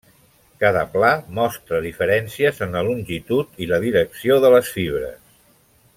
Cada pla mostra diferències en la longitud i la direcció de les fibres.